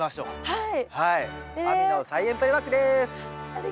はい。